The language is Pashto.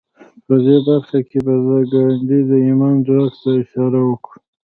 په دې برخه کې به د ګاندي د ايمان ځواک ته اشاره وکړو.